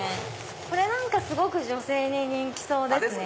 これなんかすごく女性に人気そうですね。